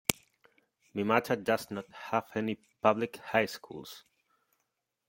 Mimata does not have any public high schools.